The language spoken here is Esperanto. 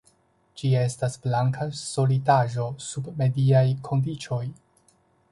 Ĝi estas blanka solidaĵo sub mediaj kondiĉoj.